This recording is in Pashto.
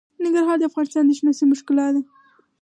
ننګرهار د افغانستان د شنو سیمو ښکلا ده.